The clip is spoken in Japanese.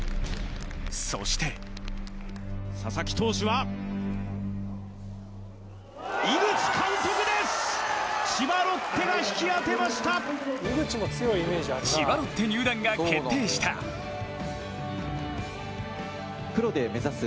そして佐々木投手は、井口監督です！